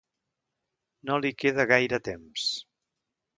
No li queda gaire temps.